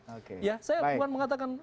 oke ya saya bukan mengatakan